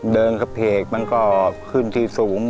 เดินเข้าเพลงมันก็ขึ้นทีสูง